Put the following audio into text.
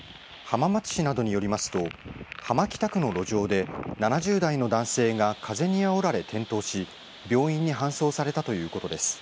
浜松市などによりますと浜北区の路上で７０代の男性が風にあおられ転倒し病院に搬送されたということです。